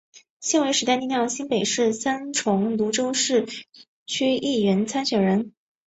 现为时代力量新北市三重芦洲区市议员参选人。